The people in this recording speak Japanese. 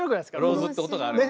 「ローズ」って音があるんですね。